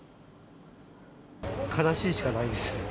悲しいしかないです。